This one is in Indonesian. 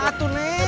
ayo gaut deh